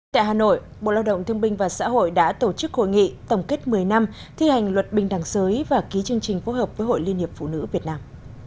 tại hà nội bộ lao động thương binh và xã hội đã tổ chức hội nghị tổng kết một mươi năm thi hành luật bình đẳng giới và ký chương trình phối hợp với hội liên hiệp phụ nữ việt nam